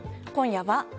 今夜は＃